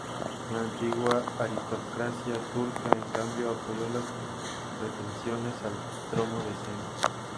La antigua aristocracia turca, en cambio, apoyó las pretensiones al trono de Cem.